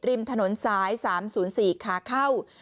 ริมถนนซ้าย๓๐๔ขาเข้า